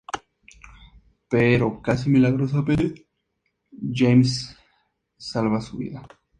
Pero casi milagrosamente James Kelly salva su vida.